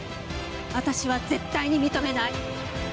私は絶対に認めない。